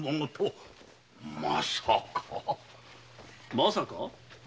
まさか？